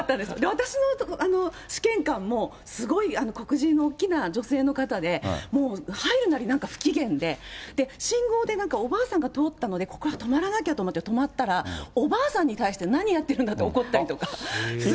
私の試験官もすごい黒人の大きな女性の方で、もう入るなりなんか不機嫌で、信号でおばあさんが通ったので、ここは止まらなきゃと思って止まったら、おばあさんに対して何やってるんだって怒ったりとか。